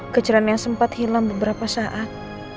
kecerian yang sempat hilang beberapa saat